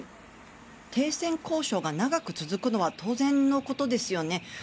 停戦交渉が長く続くのは当然のことですよね。